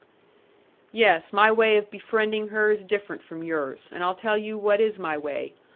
"Yes, my way of befriending her is different from yours; and I'll tell you what is my way.